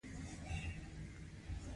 دا به له یوه لوی تناقض سره مخ شي.